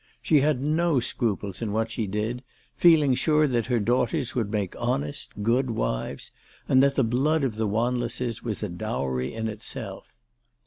She had no scruples in what she did, feeling sure that her daughters would make honest, good wives, and that the blood of the Wanlesses was a dowry in itself.